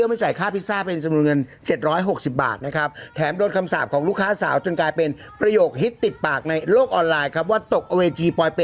โมกคอนโดแพงดูนี่นะครับนี่